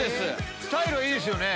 スタイルいいですよね。